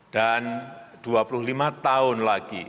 dan dua puluh lima tahun lagi